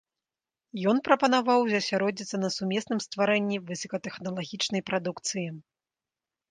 Ён прапанаваў засяродзіцца на сумесным стварэнні высокатэхналагічнай прадукцыі.